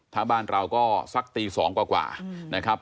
ถ้าบ้านเราก็สักตี๒กว่านะครับ